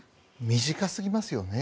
短すぎますよね。